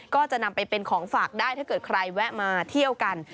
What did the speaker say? ก็จะนำไปเป็นของฝากได้ถ้าเกิดใครแวะมาเที่ยวกัน